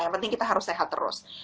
yang penting kita harus sehat terus